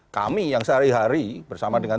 kami yang sehari hari bersama dengan